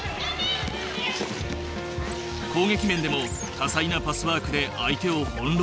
攻撃面でも多彩なパスワークで相手を翻弄。